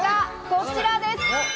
こちらです。